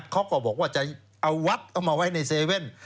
เขาก็บอกว่าจะเอาวัดเอามาไว้ใน๗๑๑